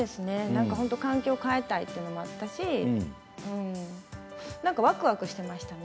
環境を変えたいというのもあったしなんかわくわくしていましたね。